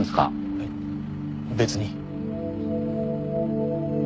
えっ別に。